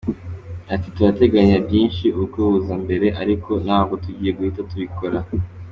Ati “Turateganya byinshi, ubukwe buza imbere ariko ntabwo tugiye guhita tubikora.